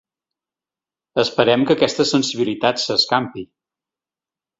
Esperem que aquesta sensibilitat s’escampi.